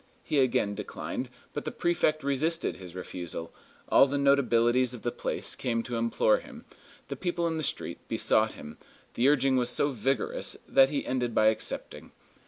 He again declined; but the prefect resisted his refusal, all the notabilities of the place came to implore him, the people in the street besought him; the urging was so vigorous that he ended by accepting.